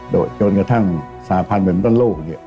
โดยจนกระทั่งสาพันธ์เบมตั้นโลก